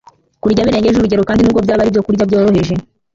Kurya birengeje urugero kandi nubwo byaba ari ibyokurya byoroheje